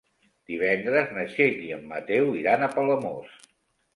Divendres na Txell i en Mateu iran a Palamós.